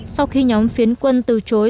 sau khi nhóm phiến quân từ chối